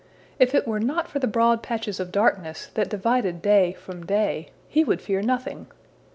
If it were not for the broad patches of darkness that divided day from day, he would fear nothing!